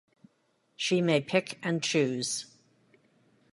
She may pick and choose.